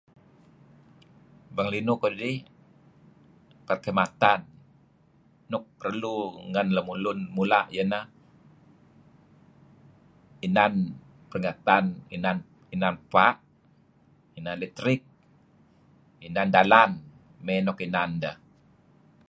Pengelinuh keli', ketsamatah, nuk perlu ngen łun mula' ieh ineh... inan pengatan... inan efa', inan letrik, inan dalan mey nuk inan deh.